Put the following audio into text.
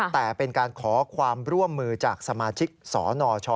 แต่เป็นการขอความร่วมมือจากสมาชิกสนช